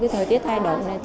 thời tiết thai đổ